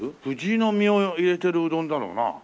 藤の実を入れてるうどんだろうな。